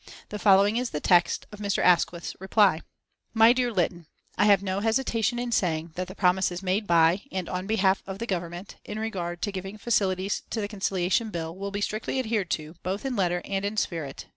The following is the text of Mr. Asquith's reply: My dear Lytton I have no hesitation in saying that the promises made by, and on behalf of the Government, in regard to giving facilities to the Conciliation Bill, will be strictly adhered to, both in letter and in spirit.